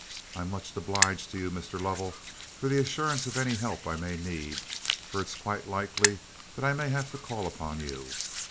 I'm much obliged to you, Mr. Lovell, for the assurance of any help I may need, for it's quite likely that I may have to call upon you.